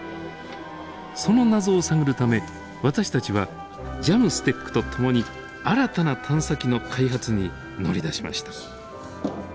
その謎を探るため私たちはＪＡＭＳＴＥＣと共に新たな探査機の開発に乗り出しました。